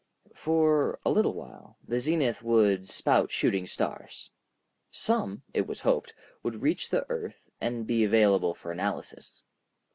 For a little while the zenith would spout shooting stars. Some, it was hoped, would reach the earth and be available for analysis.